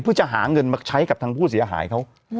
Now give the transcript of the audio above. เพื่อจะหาเงินมาใช้กับทางผู้เสียหายเขา